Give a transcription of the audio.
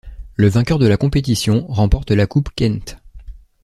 Le vainqueur de la compétition remporte la Coupe Kent.